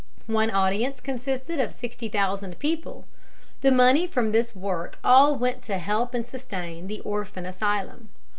One audience consisted of sixty thousand people. The money from this work all went to help and sustain the orphan asylum.